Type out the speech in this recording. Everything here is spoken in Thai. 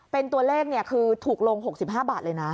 เป็นตัวเลขคือถูกลง๖๕บาทเลยนะ